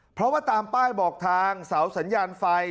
เพราะว่าตามป้ายบอกทางเสาสัญญาณไฟ